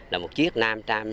là một chiếc nam tram